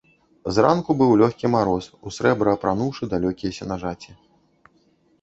Зранку быў лёгкі мароз, у срэбра апрануўшы далёкія сенажаці.